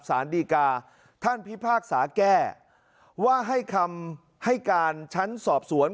สารดีกาท่านพิพากษาแก้ว่าให้คำให้การชั้นสอบสวน